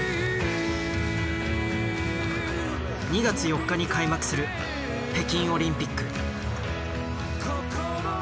２月４日に開幕する北京オリンピック。